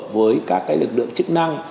với các cái lực lượng chức năng